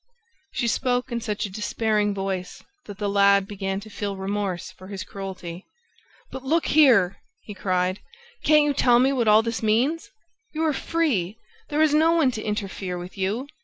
She spoke in such a despairing voice that the lad began to feel remorse for his cruelty. "But look here!" he cried. "Can't you tell me what all this means! ... You are free, there is no one to interfere with you...